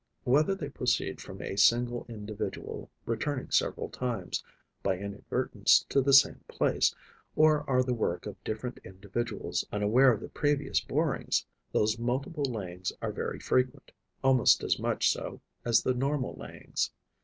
Whether they proceed from a single individual returning several times, by inadvertence, to the same place, or are the work of different individuals unaware of the previous borings, those multiple layings are very frequent, almost as much so as the normal layings.